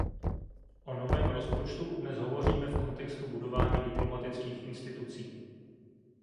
O novém rozpočtu dnes hovoříme v kontextu budování diplomatických institucí.